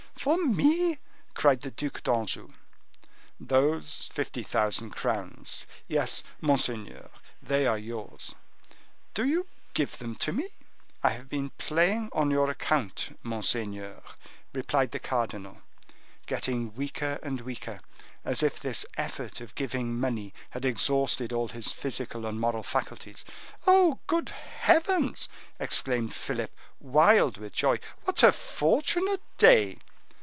"For me?" cried the Duc d'Anjou. "Those fifty thousand crowns; yes, monseigneur, they are yours." "Do you give them to me?" "I have been playing on your account, monseigneur," replied the cardinal, getting weaker and weaker, as if this effort of giving money had exhausted all his physical and moral faculties. "Oh, good heavens!" exclaimed Philip, wild with joy, "what a fortunate day!"